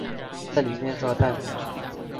在裡面刷彈幕